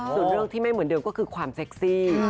ส่วนเรื่องที่ไม่เหมือนเดิมก็คือความเซ็กซี่